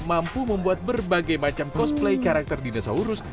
mampu membuat berbagai macam cosplay karakter dinosaurus